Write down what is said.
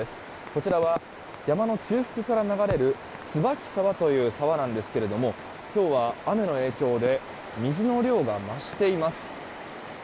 こちらは山の中腹から流れる椿沢という沢なんですけれども今日は雨の影響で水の量が増しています。